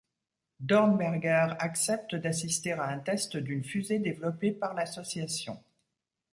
Dornberger accepte d'assister à un test d'une fusée développée par l'association.